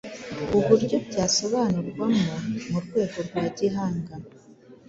uburyo byasobanurwamo mu rwego rwa gihanga.